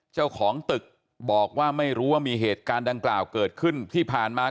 เจ้าของตึกบอกว่าไม่รู้ว่ามีเหตุการณ์ดังกล่าวเกิดขึ้นที่ผ่านมา